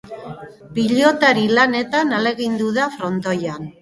Pilotari lanetan ahalegindu da frontoian.